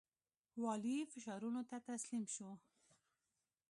والي فشارونو ته تسلیم شو.